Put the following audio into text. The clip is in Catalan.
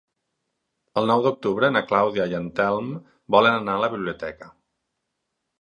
El nou d'octubre na Clàudia i en Telm volen anar a la biblioteca.